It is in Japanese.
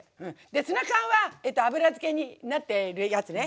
でツナ缶は油漬けになってるやつね。